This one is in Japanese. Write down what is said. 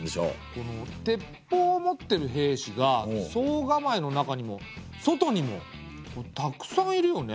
この鉄砲を持ってる兵士が惣構の中にも外にもたくさんいるよね。